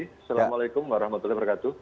assalamualaikum warahmatullahi wabarakatuh